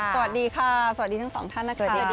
สวัสดีครับสวัสดีทั้งสองท่าน